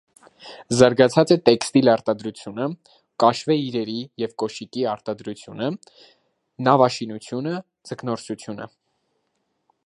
Զարգացած է տեքստիլ արտադրությունը, կաշվե իրերի և կոշիկի արտադրությունը, նավաշինությունը, ձկնորսությունը։